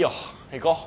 行こう。